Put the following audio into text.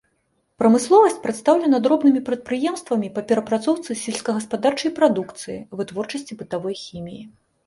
Прамысловасць прадстаўлена дробнымі прадпрыемствамі па перапрацоўцы сельскагаспадарчай прадукцыі, вытворчасці бытавой хіміі.